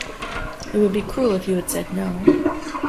It would be cruel if you had said no.